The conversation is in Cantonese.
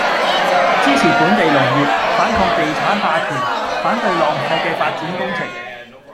支持本地農業，反抗地產霸權，反對浪費嘅發展工程